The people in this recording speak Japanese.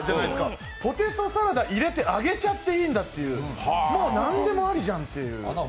ポテトサラダ入れて揚げちゃっていいんだという、もうなんでもありじゃんっていう。